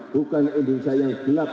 bukan indonesia yang gelap